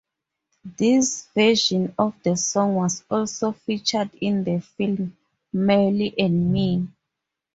This version of the song was also featured in the film "Marley and Me".